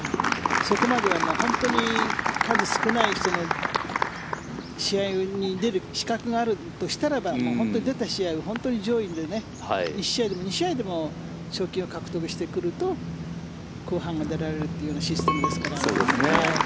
そこまでは本当に数少ない試合に出る資格があるとしたらば本当に出た試合を本当に上位で１試合でも２試合で賞金を獲得してくると後半が出られるというシステムですから。